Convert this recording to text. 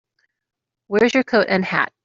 Where's your coat and hat?